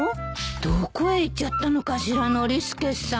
どこへ行っちゃったのかしらノリスケさん。